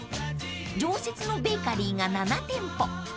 ［常設のベーカリーが７店舗］